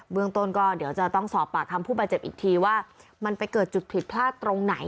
เมืองต้นก็เดี๋ยวจะต้องสอบปากคำผู้บาดเจ็บอีกทีว่ามันไปเกิดจุดผิดพลาดตรงไหน